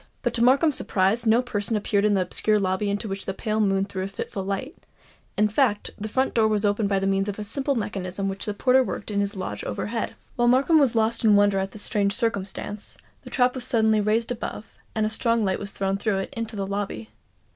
But to Markham's surprise no person appeared in the obscure lobby into which the pale moon threw a fitful light; in fact, the front door was opened by means of a simple mechanism which the porter worked in his lodge overhead. While Markham was lost in wonder at this strange circumstance, the trap was suddenly raised above, and a strong light was thrown through it into the lobby.